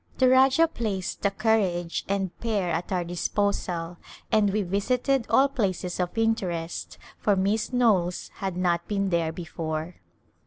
The Rajah placed a carriage and pair at our disposal and we visited all places of interest, for Miss Knowles had not been there before.